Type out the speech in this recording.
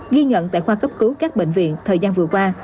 ghi nhận tại khoa cấp cứu các bệnh viện thời gian vừa qua